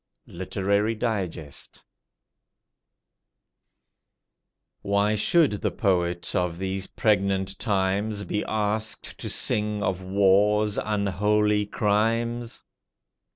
Literary Digest. Why should the poet of these pregnant times Be asked to sing of war's unholy crimes?